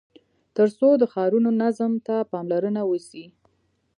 تر څو د ښارونو نظم ته پاملرنه وسي.